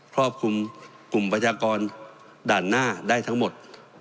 ควบคุมกลุ่มพยากรด่านหน้าได้ทั้งหมด